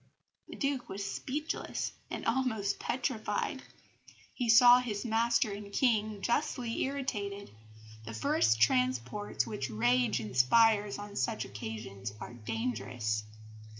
The Duke was speechless and almost petrified; he saw his master and King justly irritated. The first transports which rage inspires on such occasions are dangerous.